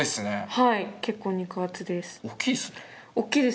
はい結構肉厚です。